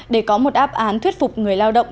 để có một áp án thuyết phục người lao động